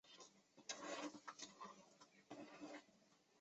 教师也要教他们没有完全明白的内容。